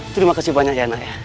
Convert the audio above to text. terima kasih banyak ya nak ya